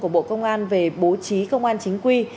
của bộ công an về bố trí công an chính quy